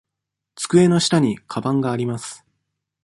机の下にかばんがあります。